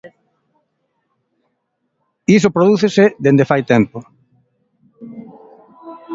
Iso prodúcese dende fai tempo.